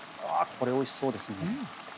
これ、おいしそうですね。